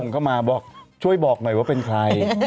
เข้ามาบอกช่วยบอกหน่อยว่าเป็นใคร